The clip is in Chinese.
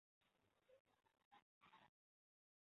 木皿泉由和泉努组成的一对编剧。